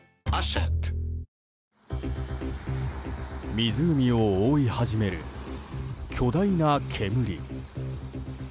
湖を覆い始める、巨大な煙。